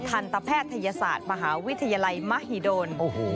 ทันตแพทยศาสตร์มหาวิทยาลัยมหิดล